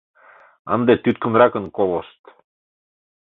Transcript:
Ынде тӱткынракын колышт.